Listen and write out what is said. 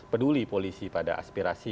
peduli polisi pada aspirasi